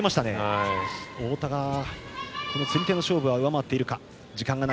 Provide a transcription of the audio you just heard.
太田が釣り手の勝負では上回っているか。